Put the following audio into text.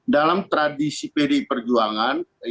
dalam tradisi pdi perjuangan